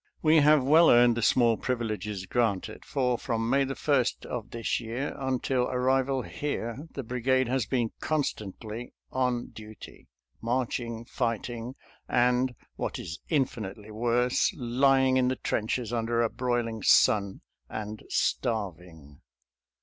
We have well earned the small privileges granted, for from May 1 of this year until ar rival here the brigade has been constantly on Si9 250 SOLDIER'S LETTERS TO CHARMING NELLIE duty — marching, fighting, and, what is Infinitely worse, lying in the trenches under a broiling sun, and starving.